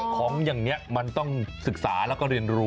ของอย่างนี้มันต้องศึกษาแล้วก็เรียนรู้